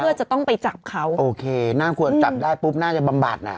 เพื่อจะต้องไปจับเขาโอเคน่าควรจับได้ปุ๊บน่าจะบำบัดน่ะ